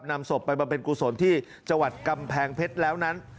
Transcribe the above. นำศพไปบำเพ็ญกุศลที่จังหวัดกำแพงเพชรแล้วนั้น